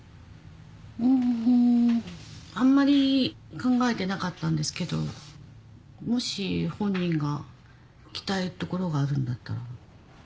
うんあんまり考えてなかったんですけどもし本人が行きたい所があるんだったら。